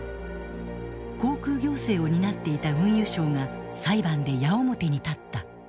航空行政を担っていた運輸省が裁判で矢面に立った。